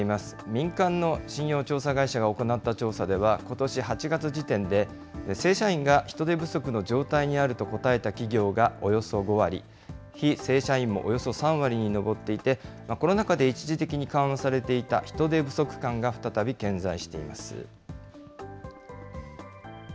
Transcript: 民間の信用調査会社が行った調査では、ことし８月時点で、正社員が人手不足の状態にあると答えた企業がおよそ５割、非正社員もおよそ３割に上っていて、コロナ禍で一時的に緩和されていた人手不足感が再び顕在しています。